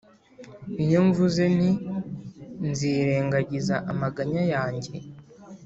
iyo mvuze nti ‘nzirengagiza amaganya yanjye,